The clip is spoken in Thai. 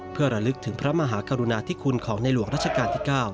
เพื่อระลึกถึงพระมหากรุณาธิคุณของในหลวงรัชกาลที่๙